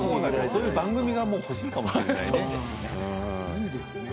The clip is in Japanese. そういう番組が欲しいかもしれないね。